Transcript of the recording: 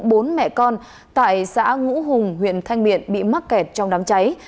bốn mẹ con tại xã ngũ hùng huyện thanh miện bị mắc kẹt trong đám cháy